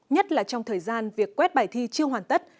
nhất là trong thời gian việc quét bài thi chưa hoàn tất